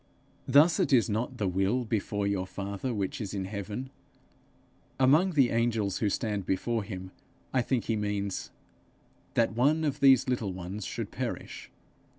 Thus it is not the will before your father which is in heaven,' among the angels who stand before him, I think he means, 'that one of these little ones should perish.'